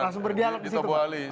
langsung berdialog disitu pak